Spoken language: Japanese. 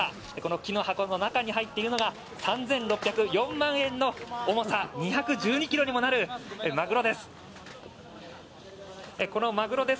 木の箱の中に入っているのが３６０４万円の重さ２１２ｋｇにもなるマグロです。